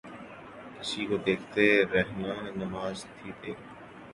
کسی کو دیکھتے رہنا نماز تھی تیری